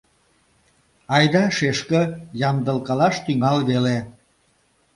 — Айда, шешке, ямдылкалаш тӱҥал веле.